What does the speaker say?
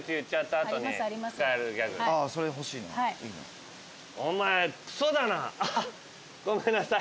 あっごめんなさい。